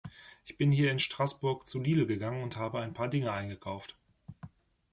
Ich bin hier in Straßburg zu Lidl gegangen und habe ein paar Dinge eingekauft.